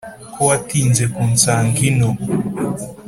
ko watinze kunsanga ino’"